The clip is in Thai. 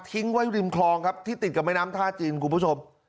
ทิ้งไว้ริมคลองครับที่ติดกับแม่น้ำท่าจีนคุณผู้ชม